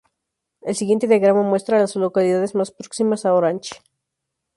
El siguiente diagrama muestra a las localidades más próximas a Orange.